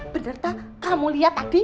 bener tuh kamu lihat tadi